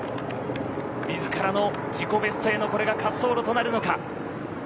自らの自己ベストへのこれが滑走路となるのか。